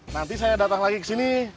nanti saya datang lagi ke sini